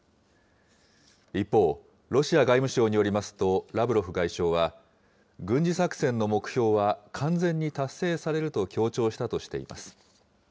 一方、ロシア外務省によりますと、ラブロフ外相は、軍事作戦の目標は完全に達成されると強調したとしています。